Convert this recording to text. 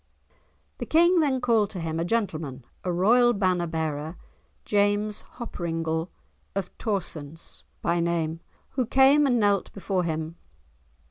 The King then called to him a gentleman, a royal banner bearer, James Hoppringle of Torsonse by name, who came and knelt before him.